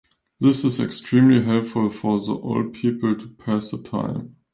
This is extremely helpful for the old people to pass the time.